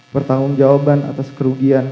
pertanggungjawaban atas kerugian